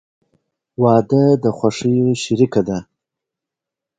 • واده د خوښیو شریکه ده.